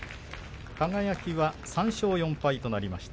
輝は３勝４敗となりました。